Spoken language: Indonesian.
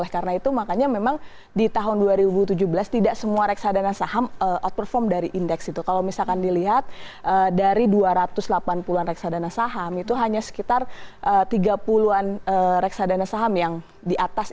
karena itu makanya memang di tahun dua ribu tujuh belas tidak semua reksadana saham outperform dari indeks itu kalau misalkan dilihat dari dua ratus delapan puluh an reksadana saham itu hanya sekitar tiga puluh an reksadana saham yang di atas